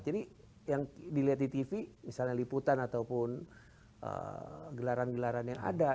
jadi yang dilihat di tv misalnya liputan ataupun gelaran gelaran yang ada